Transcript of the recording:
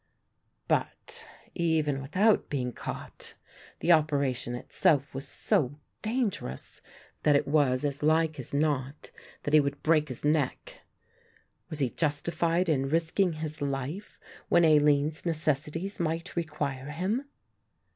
But, even without being caught, the operation itself was so dangerous that it was as like as not that he would break his neck. Was he justified in risking his life when Aline's necessities might require him?